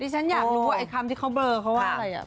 ดิฉันอยากรู้ไอ้คำที่เค้าเบลอเค้าว่าอะไรอะ